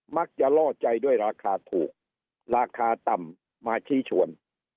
จะล่อใจด้วยราคาถูกราคาต่ำมาชี้ชวน